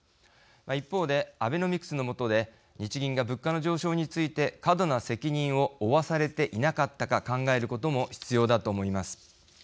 一方でアベノミクスの下で日銀が物価の上昇について過度な責任を負わされていなかったか考えることも必要だと思います。